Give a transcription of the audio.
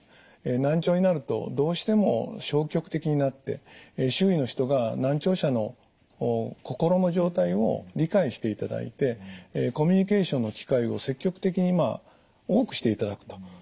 難聴になるとどうしても消極的になって周囲の人が難聴者の心の状態を理解していただいてコミュニケーションの機会を積極的に多くしていただくと。